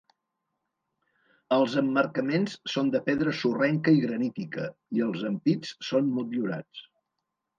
Els emmarcaments són de pedra sorrenca i granítica, i els ampits són motllurats.